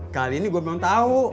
kali ini gua mau tau